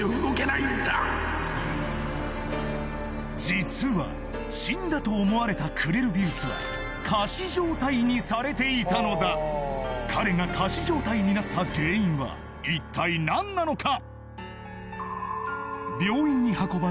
実は死んだと思われたクレルヴィウスは仮死状態にされていたのだ彼が仮死状態になった原因は一体何なのか？